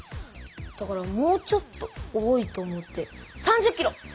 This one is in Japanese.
だからもうちょっと多いと思って３０キロ！